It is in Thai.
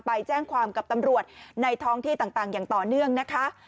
ไปแจ้งความกับตำรวจในท้องที่ต่างอย่างต่อเนื่องนะคะ